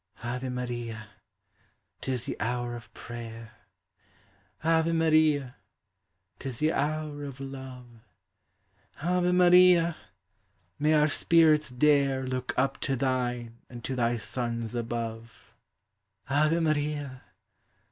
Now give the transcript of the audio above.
Ave Maria! 'tis the hour of prayer! Ave Marin! 't is the hour ol love. Ave Maria! may our spirits dare ' Look up to thine aud to thy Son's above. Av< Maria!